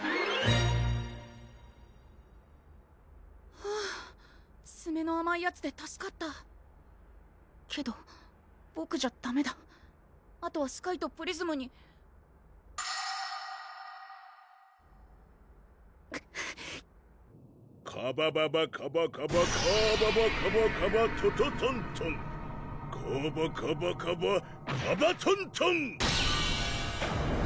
フゥつめのあまいヤツで助かったけどボクじゃダメだあとはスカイとプリズムにカバババカバカバカババカバカバトトトントンカバカバカバカバトントン！